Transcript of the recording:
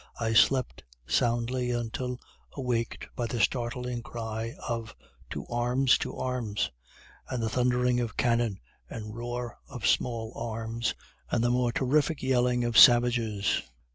I slept soundly until awaked by the startling cry of "to arms! to arms!" and the thundering of cannon and roar of small arms, and the more terific yelling of savages.